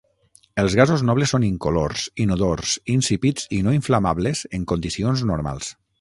Els gasos nobles són incolors, inodors, insípids i no inflamables en condicions normals.